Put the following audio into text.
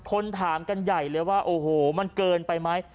คนถามกันใหญ่เลยว่าโอ้โหมันเกินไปไหม